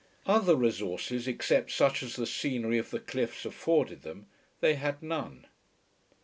Other resources except such as the scenery of the cliffs afforded them, they had none.